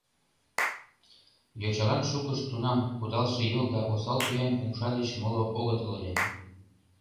Йочалан шукышт тунам кудалше йол да осал пӱян умша деч моло огытыл ыле.